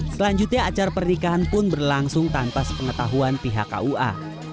selanjutnya acara pernikahan pun berlangsung tanpa sepengetahuan pihak kua